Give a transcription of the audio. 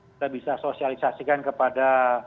kita bisa sosialisasikan kepada